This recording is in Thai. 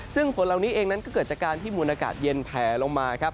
ซึ่งฝนเหล่านี้เองนั้นก็เกิดจากการที่มูลอากาศเย็นแผลลงมาครับ